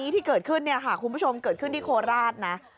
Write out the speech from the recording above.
ที่เกิดขึ้นเนี่ยค่ะคุณผู้ชมเกิดขึ้นที่โคราชนะ